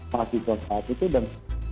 masih buat saat itu dan